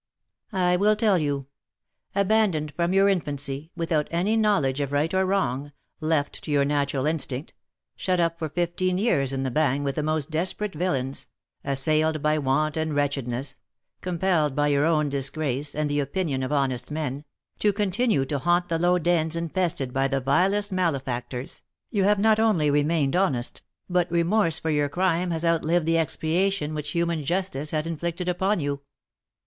"I will tell you. Abandoned from your infancy, without any knowledge of right or wrong, left to your natural instinct, shut up for fifteen years in the Bagne with the most desperate villains, assailed by want and wretchedness, compelled by your own disgrace, and the opinion of honest men, to continue to haunt the low dens infested by the vilest malefactors, you have not only remained honest, but remorse for your crime has outlived the expiation which human justice had inflicted upon you."